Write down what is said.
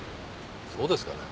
そうですかね。